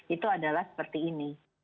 itu adalah seperti ini